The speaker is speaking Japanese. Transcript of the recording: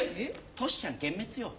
トシちゃん幻滅よ。